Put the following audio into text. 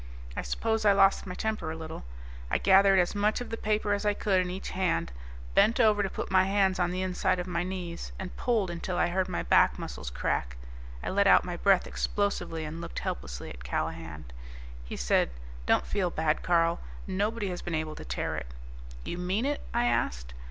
I suppose I lost my temper a little. I gathered as much of the paper as I could in each hand, bent over to put my hands on the inside of my knees, and pulled until I heard my back muscles crack. I let out my breath explosively and looked helplessly at Callahan. He said, "Don't feel bad, Carl. Nobody has been able to tear it." "You mean it?" I asked.